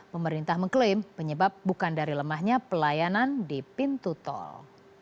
pemerintah mengklaim penyebab bukan dari lemahnya pelayanan di pintu tol